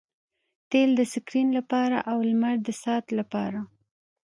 تیل د سکرین لپاره او لمر د ساعت لپاره